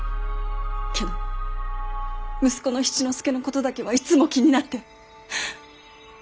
けど息子の七之助のことだけはいつも気になって。